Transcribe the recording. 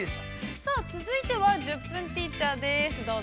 ◆続いては「１０分ティーチャー」です、どうぞ。